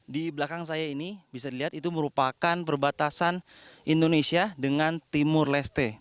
di belakang saya ini bisa dilihat itu merupakan perbatasan indonesia dengan timur leste